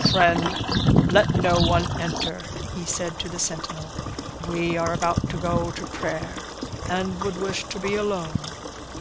"Friend, let no one enter," he said to the sentinel. "We are about to go to prayer, and would wish to be alone."